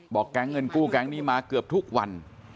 แก๊งเงินกู้แก๊งนี้มาเกือบทุกวัน